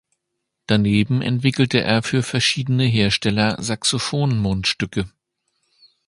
Daneben entwickelte er für verschiedene Hersteller Saxophon-Mundstücke.